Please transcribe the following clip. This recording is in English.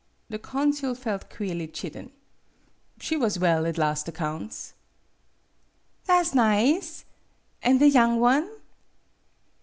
The consul felt queerly chidden. "She was well at last accounts." "Tha' 's nize. An' the young one